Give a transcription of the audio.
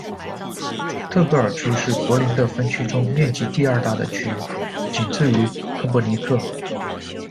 特格尔区是柏林的分区中面积第二大的区，仅次于克珀尼克。